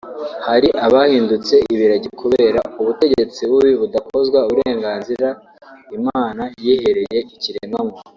hari abahindutse ibiragi kubera ubutegetsi bubi budakozwa uburenganzira Imana yihereye ikiremwamuntu